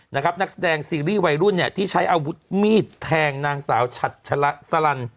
นักแสดงซีรีส์วัยรุ่นเนี่ยที่ใช้อาวุธมีดแทงนางสาวฉัดชะละสลัน